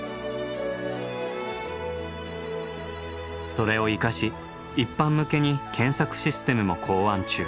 それを生かし一般向けに検索システムも考案中。